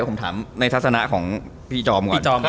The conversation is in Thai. ผมถามในทัศนะของพี่จอมก่อน